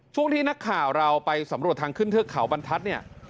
ช่วงที่นักข่าวเราไปสำรวจทางขึ้นเทือกเขาบรรทัศน์เนี่ย